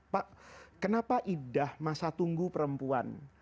pak kenapa idah masa tunggu perempuan